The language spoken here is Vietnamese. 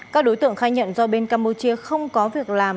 các đối tượng khai nhận do bên campuchia không có việc làm